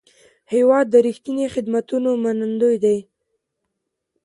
هېواد د رښتیني خدمتونو منندوی دی.